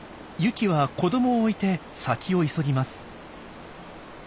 ユキは子どもを置いて先を急ぎます。